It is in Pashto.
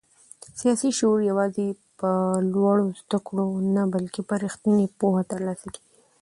سیاسي شعور یوازې په لوړو زده کړو نه بلکې په رښتینې پوهه ترلاسه کېږي.